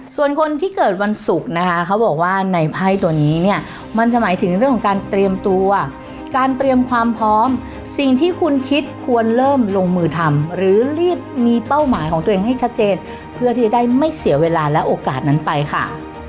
ส่วนคนที่เกิดวันศุกร์นะคะเขาบอกว่าในไพ่ตัวนี้เนี่ยมันจะหมายถึงเรื่องของการเตรียมตัวการเตรียมความพร้อมสิ่งที่คุณคิดควรเริ่มลงมือทำหรือรีบมีเป้าหมายของตัวเองให้ชัดเจนเพื่อที่จะได้ไม่เสียเวลาและโอกาสนั้นไปค่ะ